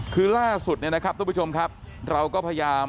คือล่าสุดเนี่ยนะครับทุกผู้ชมครับเราก็พยายาม